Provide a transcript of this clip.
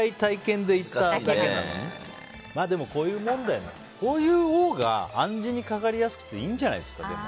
でも、こういうもんだよ。こういうほうが暗示にかかりやすくていいんじゃないですか。